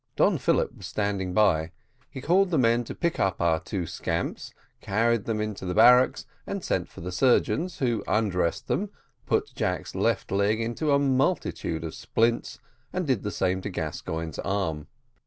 Don Philip was standing by: he called the men to pick up our two scamps, carried them into the barracks, and sent for the surgeons, who undressed them, put Jack's left leg into a multitude of splints, and did the same to Gascoigne's arm.